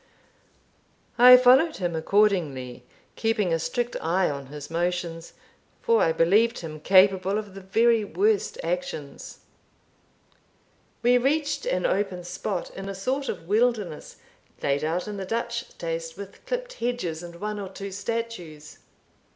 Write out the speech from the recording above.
I followed him accordingly, keeping a strict eye on his motions, for I believed him capable of the very worst actions. We reached an open spot in a sort of wilderness, laid out in the Dutch taste, with clipped hedges, and one or two statues.